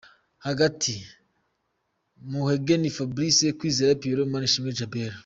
Hagati : Mugheni Fabrice, Kwizera Pierrot, Manishimwe Djabel.